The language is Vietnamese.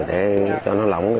để cho nó lỏng